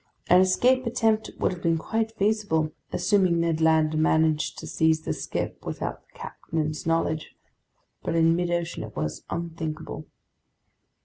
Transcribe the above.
An escape attempt would have been quite feasible, assuming Ned Land managed to seize the skiff without the captain's knowledge. But in midocean it was unthinkable.